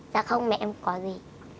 dạ không mẹ em có gì